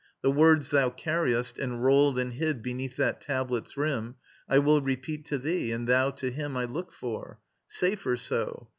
The words thou carriest Enrolled and hid beneath that tablet's rim, I will repeat to thee, and thou to him I look for. Safer so.